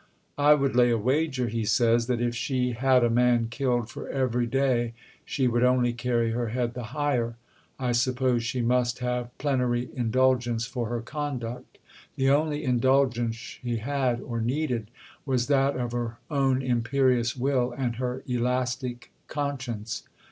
"I would lay a wager," he says, "that if she had a man killed for her every day she would only carry her head the higher. I suppose she must have plenary indulgence for her conduct." The only indulgence she had or needed was that of her own imperious will and her elastic conscience.